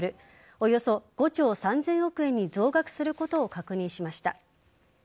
およそ５兆３０００億円に増額することを確認しました。